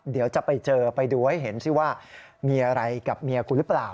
เดี๋ยวจะไปเจอไปดูให้เห็นสิว่ามีอะไรกับเมียกูหรือเปล่า